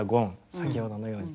先ほどのように。